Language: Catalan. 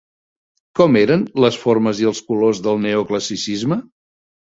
Com eren les formes i els colors del neoclassicisme?